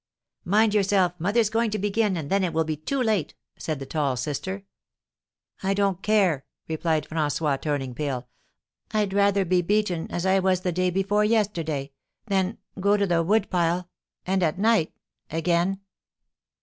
"Mind yourself, mother's going to begin, and then it will be too late!" said the tall sister. "I don't care!" replied François, turning pale. "I'd rather be beaten as I was the day before yesterday, than go to the wood pile and at night again."